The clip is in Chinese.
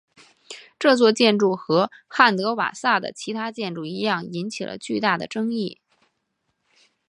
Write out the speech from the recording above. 这座建筑和汉德瓦萨的其他建筑一样引起了巨大的争议。